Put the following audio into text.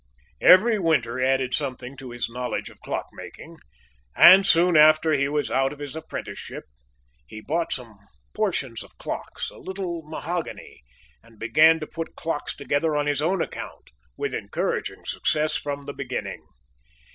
Every winter added something to his knowledge of clock making, and, soon after he was out of his apprenticeship, he bought some portions of clocks, a little mahogany, and began to put clocks together on his own account, with encouraging success from the beginning.